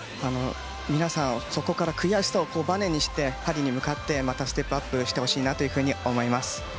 皆さん、そこから悔しさをばねにしてパリに向かってステップアップしてほしいと思います。